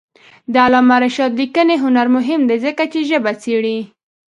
د علامه رشاد لیکنی هنر مهم دی ځکه چې ژبه څېړي.